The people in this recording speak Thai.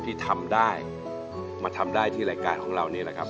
ที่ทำได้มาทำได้ที่รายการของเรานี่แหละครับ